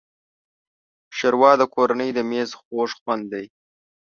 ښوروا د کورنۍ د مېز خوږ خوند دی.